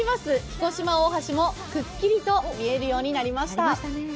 彦島大橋もくっきりと見えるようになりました。